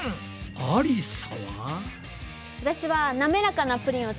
ありさは。